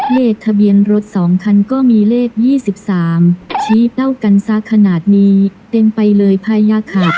เลขทะเบียนรถ๒คันก็มีเลข๒๓ชี้เป้ากันซะขนาดนี้เต็มไปเลยพยายามขาด